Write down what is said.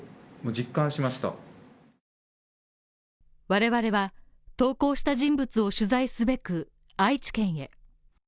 我々は、投稿した人物を取材すべく愛知県へ。